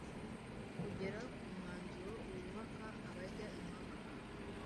kugera ku mwanzuro wubaka, abajya impaka